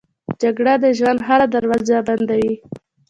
جګړه د ژوند هره دروازه بندوي